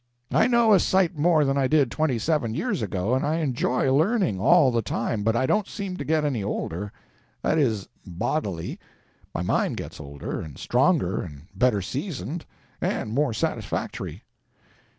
I know a sight more than I did twenty seven years ago, and I enjoy learning, all the time, but I don't seem to get any older. That is, bodily—my mind gets older, and stronger, and better seasoned, and more satisfactory."